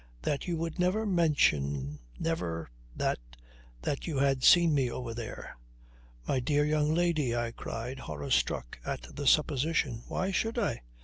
that you would never mention never that that you had seen me over there." "My dear young lady," I cried, horror struck at the supposition. "Why should I?